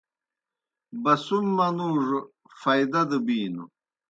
بَسُم منُوڙوْ فائدہ دہ بِینوْ۔